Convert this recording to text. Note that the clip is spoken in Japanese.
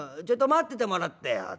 ちょいと待っててもらってよ。